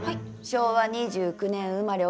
昭和２９年生まれ